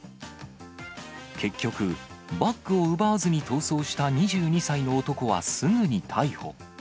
結局、バッグを奪わずに逃走した２２歳の男はすぐに逮捕。